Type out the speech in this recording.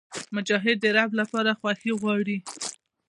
مجاهد د رب لپاره خوښي غواړي.